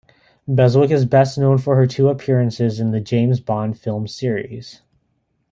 Beswick is best known for her two appearances in the James Bond film series.